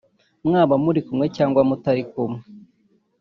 mwaba muri kumwe cyangwa mutakiri kumwe